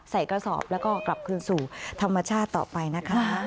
กระสอบแล้วก็กลับคืนสู่ธรรมชาติต่อไปนะคะ